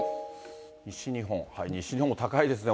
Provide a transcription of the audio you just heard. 西日本、西日本も高いですね。